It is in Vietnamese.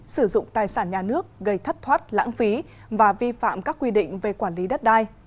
sử dụng tài sản nhà nước gây thất thoát lãng phí và vi phạm các quy định về quản lý đất đai